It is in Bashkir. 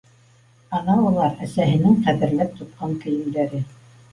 Ана улар, әсәһенең ҡәҙерләп тотҡан кейемдәре!